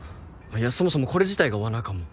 いやそもそもこれ自体が罠かも。